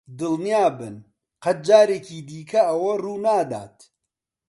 دڵنیابن قەت جارێکی دیکە ئەوە ڕوونادات.